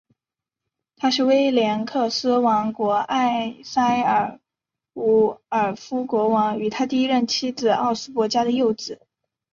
他是威塞克斯王国埃塞尔伍尔夫国王与第一任妻子奥斯博嘉的幼子。